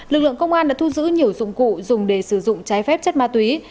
lực lượng công an đã thu giữ nhiều dụng cụ dùng để sử dụng trái phép chất ma túy